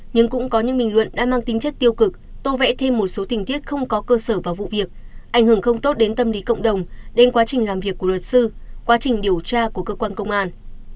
nhưng cũng có những bình luận đã mang tính chất tiêu cực tô vẽ thêm một số tình tiết không có cơ sở vào vụ việc ảnh hưởng không tốt đến tâm lý cộng đồng đến quá trình làm việc của luật sư quá trình điều tra của cơ quan công an